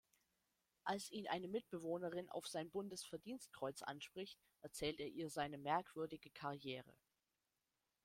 Als ihn eine Mitbewohnerin auf sein Bundesverdienstkreuz anspricht, erzählt er ihr seine merkwürdige Karriere.